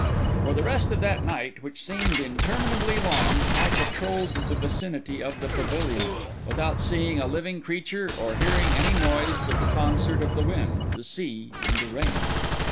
For the rest of that night, which seemed interminably long, I patrolled the vicinity of the pavilion, without seeing a living creature or hearing any noise but the concert of the wind, the sea, and the rain.